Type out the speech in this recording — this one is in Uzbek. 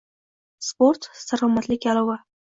Sport salomatlik garoving